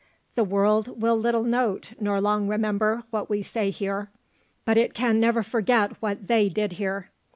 The world will little note, nor long remember, what we say here, but it can never forget what they did here.